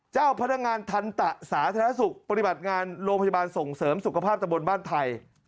เจ้าพนักงานทันตะสาธารณสุขปฏิบัติงานโรงพยาบาลส่งเสริมสุขภาพตะบนบ้านไทย